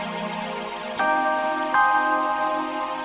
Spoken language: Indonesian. gue nyangkul dapet apaan di kampung